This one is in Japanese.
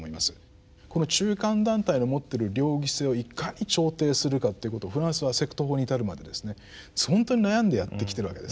この中間団体の持ってる両義性をいかに調停するかっていうことをフランスはセクト法に至るまでですねほんとに悩んでやってきてるわけですね。